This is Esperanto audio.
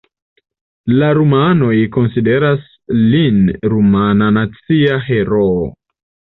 La rumanoj konsideras lin rumana nacia heroo.